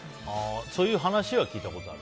そういう話は聞いたことある？